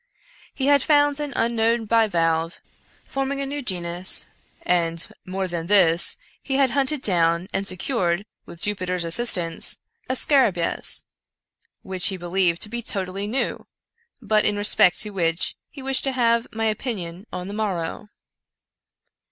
He had found an unknown bivalve, forming a new genus, and, more than this, he had hunted down and secured, with Jupiter's assistance, a scarahmis which he believed to be totally new, but in respect to which he wished to have my opinion on the morrow.